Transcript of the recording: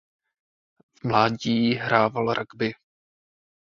V mládí hrával rugby.